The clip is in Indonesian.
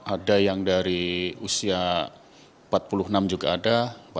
ada yang dari usia empat puluh enam juga ada